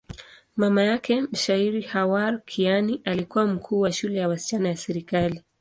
Mama yake, mshairi Khawar Kiani, alikuwa mkuu wa shule ya wasichana ya serikali.